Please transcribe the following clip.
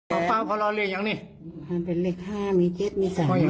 หาแล้วไหม